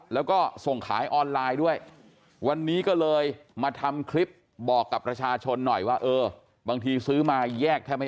แล้วก็ส่งขายออนไลน์ด้วย